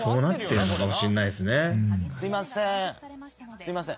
すいません。